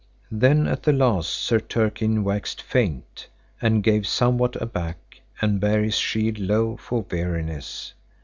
Then at the last Sir Turquine waxed faint, and gave somewhat aback, and bare his shield low for weariness.